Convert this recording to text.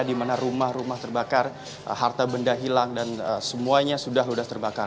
di mana rumah rumah terbakar harta benda hilang dan semuanya sudah ludas terbakar